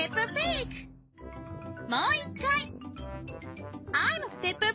もう１回。